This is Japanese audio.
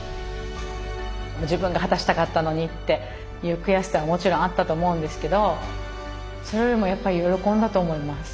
自分が果たしたかったのにっていう悔しさはもちろんあったと思うんですけどそれよりもやっぱり喜んだと思います。